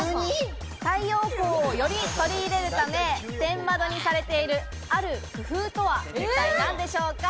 太陽光をより取り入れるため、天窓にされている、ある工夫とは一体何でしょうか？